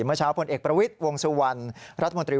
เมื่อเช้าผลเอกประวิทย์วงสุวรรณรัฐมนตรี